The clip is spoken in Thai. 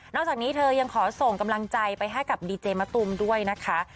จากนี้เธอยังขอส่งกำลังใจไปให้กับดีเจมะตูมด้วยนะคะ